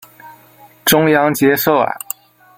中央接受了。